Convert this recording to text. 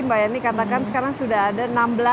mbak yani katakan sekarang sudah ada